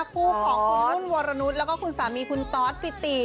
คู่ของคุณนุ่นโวระนุทรและคุณสามีคุณตอธปิตติ